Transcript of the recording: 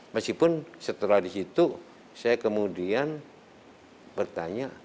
meskipun setelah di situ saya kemudian bertanya